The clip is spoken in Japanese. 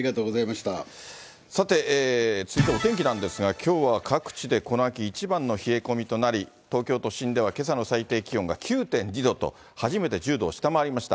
さて、続いてはお天気なんですが、きょうは各地でこの秋一番の冷え込みとなり、東京都心ではけさの最低気温が９．２度と、初めて１０度を下回りました。